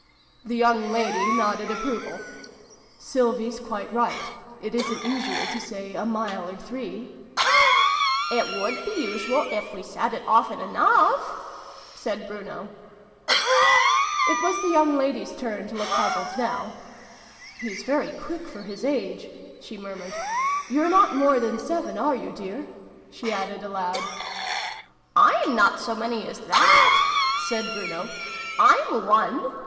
The young lady nodded approval. " Sylvie's quite right. It isn't usual to say ' a mile or three: "" It would be usual if we said it often enough," said Bruno. It was the young lady's turn to look puzzled now. " He's very quick, for his age !" she murmured. " You're not more than seven, are you, dear ?" she added aloud. ''I'm not so many as that" said Bruno. " I'm one.